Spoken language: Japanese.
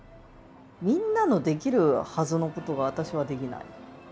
みんなのできるはずのことが私はできない。